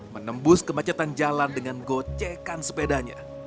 menembus kemacetan jalan dengan gocekan sepedanya